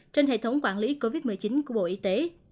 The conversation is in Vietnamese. trên hệ thống quản lý covid một mươi chín của bộ y tế